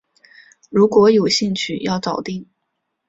如果有兴趣要早定